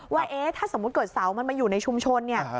ว่าเอ๊ะถ้าสมมุติเกิดเสามันมาอยู่ในชุมชนเนี่ย